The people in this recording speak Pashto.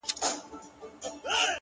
لكه د دوو جنـــــــگ.!